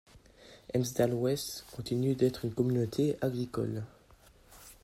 Elmsdale West continue d'être une communauté agricole.